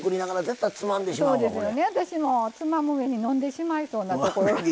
私もつまむうえに飲んでしまいそうなところが。